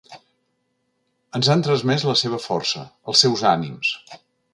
Ens han transmès la seva força, els seus ànims.